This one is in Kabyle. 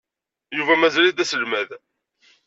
Yuba mazal-it d aselmad.